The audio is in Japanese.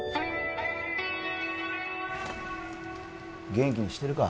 元気にしてるか？